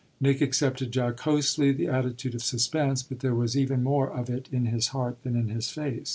Nick accepted jocosely the attitude of suspense, but there was even more of it in his heart than in his face.